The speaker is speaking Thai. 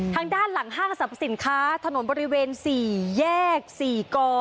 ทางด้านหลังห้างสรรพสินค้าถนนบริเวณ๔แยก๔ก